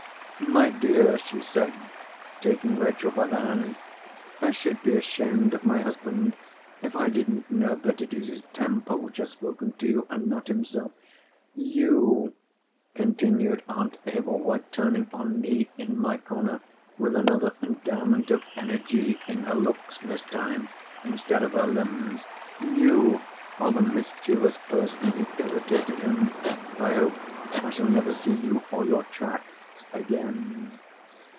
"My dear," she said, taking Rachel by the hand, "I should be ashamed of my husband, if I didn't know that it is his temper which has spoken to you, and not himself. You," continued Aunt Ablewhite, turning on me in my corner with another endowment of energy, in her looks this time instead of her limbs—"you are the mischievous person who irritated him. I hope I shall never see you or your tracts again."